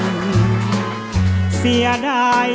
ขอโชคดีครับ